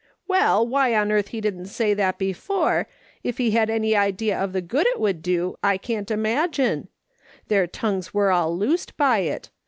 Well, why on earth he didn't say that before, if he had any idea of the good it would do, I can't imagine. Their tongues were all loosed by it.